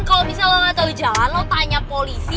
kalau misalnya lo gak tau jalan lo tanya polisi